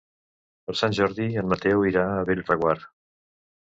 Per Sant Jordi en Mateu irà a Bellreguard.